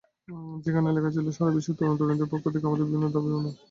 সেখানে লেখা ছিল সারা বিশ্বের তরুণ-তরুণীদের পক্ষ থেকে আমাদের বিভিন্ন দাবিনামা।